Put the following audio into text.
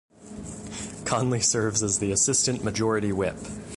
Conley serves as the Assistant Majority Whip.